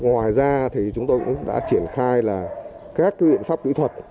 ngoài ra thì chúng tôi cũng đã triển khai là các biện pháp kỹ thuật